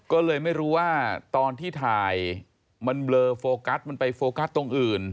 ก็เลยไม่รู้ว่าตอนที่ถ่ายมันเบลอโฟกัสมันไปโฟกัสตรงอื่น